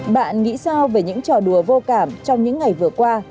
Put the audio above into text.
bạn nghĩ sao về những trò đùa vô cảm trong những ngày vừa qua